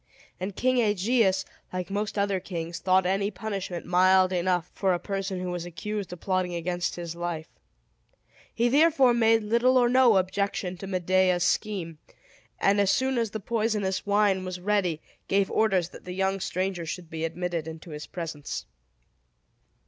And King Aegeus, like most other kings, thought any punishment mild enough for a person who was accused of plotting against his life. He therefore made little or no objection to Medea's scheme, and as soon as the poisonous wine was ready, gave orders that the young stranger should be admitted into his presence.